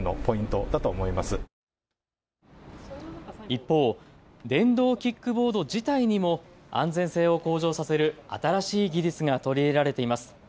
一方、電動キックボード自体にも安全性を向上させる新しい技術が取り入れられています。